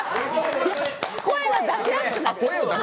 声が出しやすくなる。